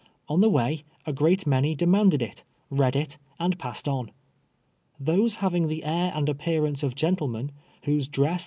On the way, a great many demanded it, read it, and passed on. Tliose having the air and a])})earance of gentlemen, whose dress